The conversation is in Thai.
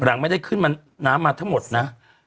หลังไม่ได้ขึ้นมาน้ำมาทั้งหมดนะ